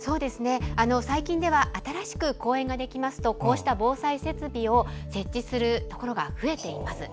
最近では新しく公園ができますとこうした防災設備を設置するところが増えています。